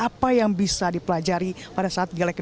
apa yang bisa dipelajari pada saat gelai kedua